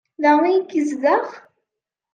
Da i yezdeɣ?